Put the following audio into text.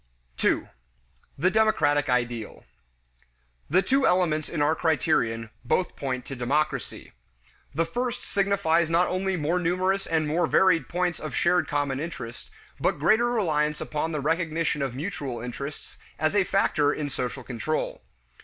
2. The Democratic Ideal. The two elements in our criterion both point to democracy. The first signifies not only more numerous and more varied points of shared common interest, but greater reliance upon the recognition of mutual interests as a factor in social control.